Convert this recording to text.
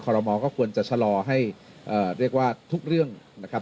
รมอลก็ควรจะชะลอให้เรียกว่าทุกเรื่องนะครับ